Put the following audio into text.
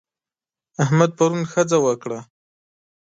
احمد پرون ښځه وکړه.